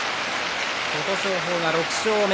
琴勝峰が６勝目。